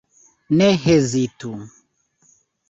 Ne hezitu!